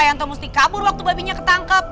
kenapa pak rata mesti kabur waktu babinya ketangkep